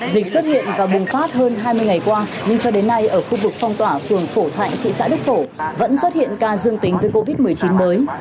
dịch xuất hiện và bùng phát hơn hai mươi ngày qua nhưng cho đến nay ở khu vực phong tỏa phường phổ thạnh thị xã đức phổ vẫn xuất hiện ca dương tính với covid một mươi chín mới